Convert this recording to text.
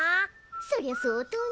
そりゃ相当ね。